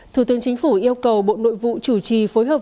thủ tướng chính phủ yêu cầu bộ nội vụ chủ trì phối hợp